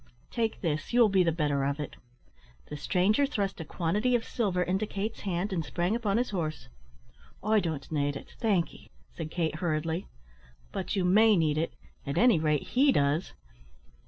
"Take this, you will be the better of it." The stranger thrust a quantity of silver into Kate's hand, and sprang upon his horse. "I don't need it, thank 'ee," said Kate, hurriedly. "But you may need it; at any rate, he does.